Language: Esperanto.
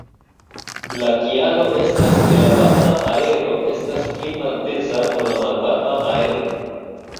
La kialo estas ke la varma aero estas pli malpeza ol la malvarma aero.